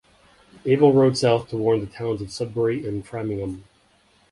Abel rode south to warn the towns of Sudbury and Framingham.